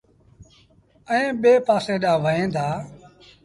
ائيٚݩ ٻي پآسي ڏآنهن وهيݩ دآ۔